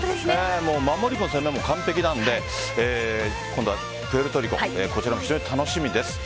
守りも攻めも完璧なので今度はプエルトリコも非常に楽しみです。